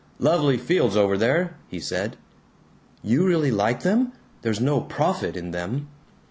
"Lovely fields over there," he said. "You really like them? There's no profit in them."